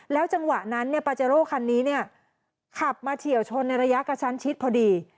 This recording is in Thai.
แล้วจังหวะนั้นปาเจโรคันนี้ขับมาเฉียวชนในระยะกระชั้นชิดพอดี